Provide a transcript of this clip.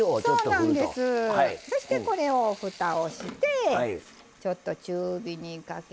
そしてこれをふたをしてちょっと中火にかけて。